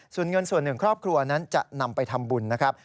ส่วนเงินส่วนหนึ่งครอบครัวนั้นจะนำไปทำบุญนะครับ